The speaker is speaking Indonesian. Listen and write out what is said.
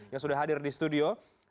yang sudah hadir di studio